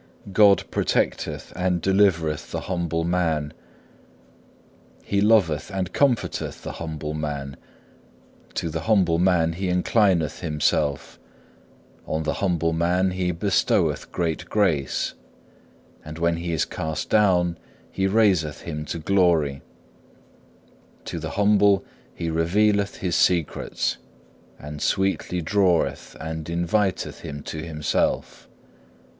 God protecteth and delivereth the humble man, He loveth and comforteth the humble man, to the humble man He inclineth Himself, on the humble He bestoweth great grace, and when he is cast down He raiseth him to glory: to the humble He revealeth His secrets, and sweetly draweth and inviteth him to Himself.